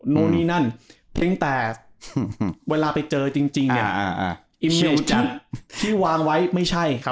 โนนี้นั่นเพียงแต่เวลาไปเจอจริงจริงเนี่ยอ่าอ่าอ่าที่วางไว้ไม่ใช่ครับ